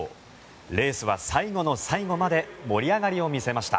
レースは最後の最後まで盛り上がりを見せました。